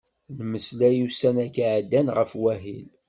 Nemmeslay ussan-agi iɛeddan ɣef wahil.